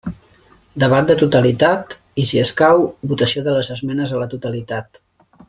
Debat de totalitat i, si escau, votació de les esmenes a la totalitat.